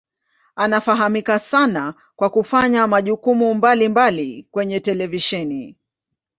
Anafahamika sana kwa kufanya majukumu mbalimbali kwenye televisheni.